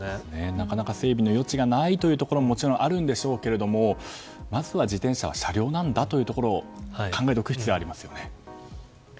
なかなか整備の余地がないというのももちろんあるんでしょうけどもまずは自転車は車両なんだということを考えておく必要がありますよね。